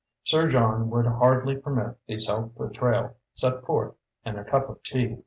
Sir John would hardly permit the self betrayal set forth in "A Cup of Tea".